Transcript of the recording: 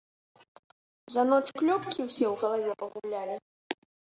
За ноч клёпкі ўсе ў галаве пагублялі?